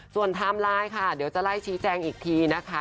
ส่วนไทม์ไลน์ค่ะเดี๋ยวจะไล่ชี้แจงอีกทีนะคะ